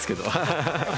ハハハハ。